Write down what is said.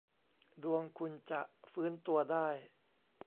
ดวงคุณจะฟื้นตัวได้